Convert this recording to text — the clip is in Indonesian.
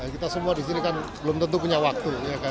kita semua di sini kan belum tentu punya waktu